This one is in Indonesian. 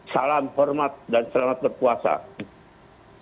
salam hormat dan selamat berpuasa